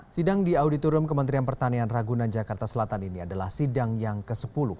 sidang di auditorium kementerian pertanian ragunan jakarta selatan ini adalah sidang yang ke sepuluh